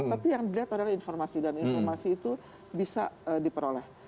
tapi yang dilihat adalah informasi dan informasi itu bisa diperoleh